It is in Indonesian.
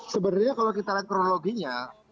sebenarnya kalau kita lihat kronologinya